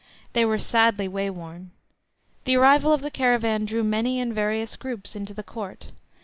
They were sadly wayworn. The arrival of the caravan drew many and various groups into the court.